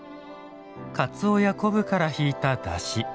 かつおや昆布から引いただし。